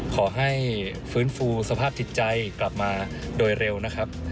ขอให้ฟื้นฟูสภาพจิตใจกลับมาโดยเร็วนะครับ